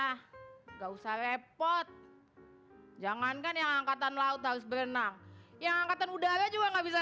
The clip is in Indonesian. ah nggak usah repot jangankan yang angkatan laut harus berenang yang angkatan udara juga nggak bisa